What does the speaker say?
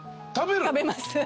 食べます。